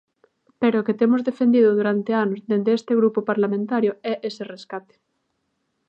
Pero o que temos defendido durante anos dende este grupo parlamentario é ese rescate.